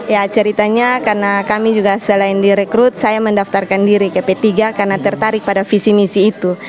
ya ceritanya karena kami juga selain direkrut saya mendaftarkan diri ke p tiga karena tertarik pada visi misi itu